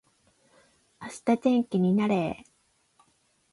明日天気になれー